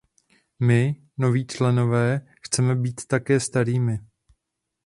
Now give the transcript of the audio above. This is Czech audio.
My, noví členové, chceme být také starými!